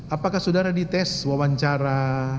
apakah saudara dites wawancara